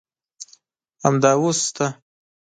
همدا اوس شته.